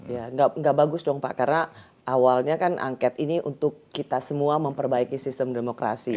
ya nggak bagus dong pak karena awalnya kan angket ini untuk kita semua memperbaiki sistem demokrasi